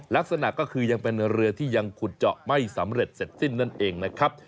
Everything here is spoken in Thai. ลักษณะก็คือยังเป็นเรือที่ยังขุดเจาะไม่สำเร็จเสร็จสิ้นนั่นเองนะครับ